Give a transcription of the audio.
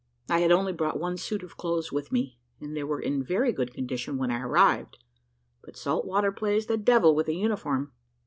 I had only brought one suit of clothes with me: they were in very good condition when I arrived, but salt water plays the devil with a uniform.